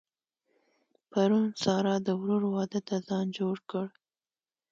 پرون سارا د ورور واده ته ځان جوړ کړ.